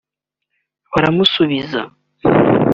Baramusubiza